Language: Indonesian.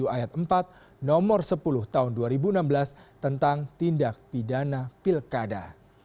ayat empat nomor sepuluh tahun dua ribu enam belas tentang tindak pidana pilkada